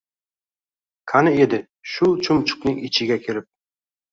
«Qani edi, shu chumchuqning ichiga kirib